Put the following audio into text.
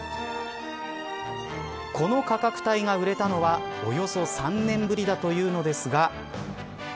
この価格体が売れたのはおよそ３年ぶりだというのですが。